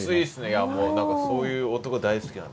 いやもうそういう男大好きなんで。